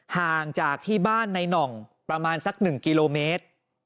ห่างจากที่บ้านในหน่องประมาณสัก๑กิโลเมตร